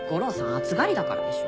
暑がりだからでしょ。